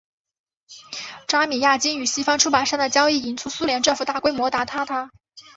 扎米亚京与西方出版商的交易引起苏联政府大规模挞伐他。